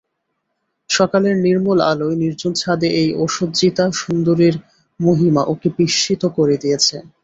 সকালের নির্মল আলোয় নির্জন ছাদে এই অসজ্জিতা সুন্দরীর মহিমা ওকে বিস্মিত করে দিয়েছে।